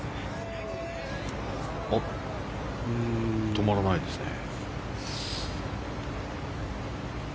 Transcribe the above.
止まらないですね。